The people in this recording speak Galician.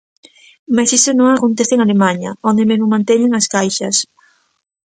Mais iso non acontece en Alemaña, onde mesmo manteñen as caixas.